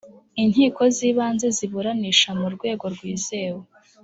inkiko z ibanze ziburanisha mu rwego rwizewe